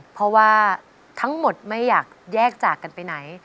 เพราะว่าทั้งหมดไม่อยากแยกจากกันไปไหน